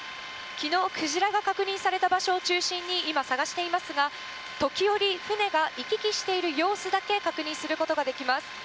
昨日、クジラが確認された場所を中心に探していますが時折船が行き来している様子だけ確認することができます。